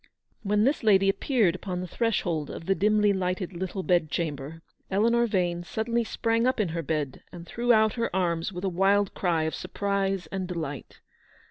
"When this lady appeared upon the threshold of the dimly lighted little bedchamber, Eleanor Vane suddenly sprang up in her bed, and threw out her arms with a wild cry of surprise and delight.